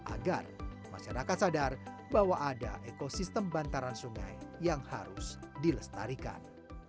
agar masyarakat sadar bahwa ada ekosistem bantaran sungai yang harus dilestarikan